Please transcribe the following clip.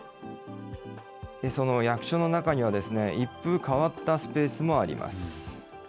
その役所の中には一風変わったスペースもあります。